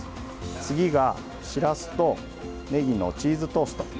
次がしらすとねぎのチーズトースト。